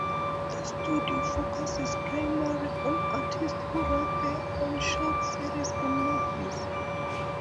The studio focuses primarily on artists who write their own shorts, series, and movies.